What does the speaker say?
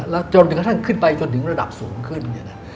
แล้วจนกระทั่งขึ้นไปจนถึงระดับสูงขึ้นเนี่ยนะ